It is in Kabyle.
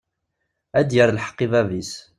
Ad d-yerr lḥeq i bab-is.